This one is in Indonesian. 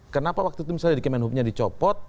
kenapa waktu itu misalnya di kemen hubnya dicopot